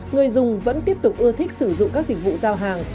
người dùng vẫn tiếp tục ưa thích sử dụng các dịch vụ giao hàng